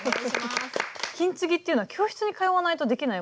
金継ぎっていうのは教室に通わないとできないものなんですかね？